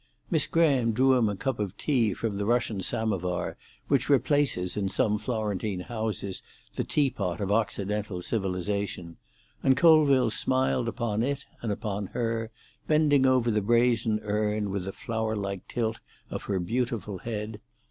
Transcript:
Miss Graham drew him a cup of tea from the Russian samovar which replaces in some Florentine houses the tea pot of Occidental civilisation, and Colville smiled upon it and upon her, bending over the brazen urn with a flower like tilt of her beautiful head.